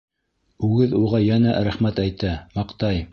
Үгеҙ уға йәнә рәхмәт әйтә, маҡтай.